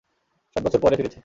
সাত বছর পরে ফিরেছে।